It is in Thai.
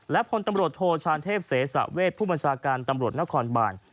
และพลตำรวจโทชานเทพเสสะเวทผู้บัญชาการตำรวจนครบาน